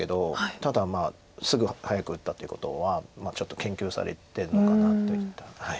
ただすぐ早く打ったということはちょっと研究されてるのかなといった。